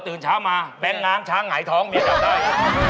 ตื่นเช้ามาแบงค์น้ำงช้างหายท้องเมียจับได้